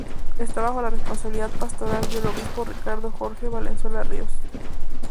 Esta bajo la responsabilidad pastoral del obispo Ricardo Jorge Valenzuela Ríos.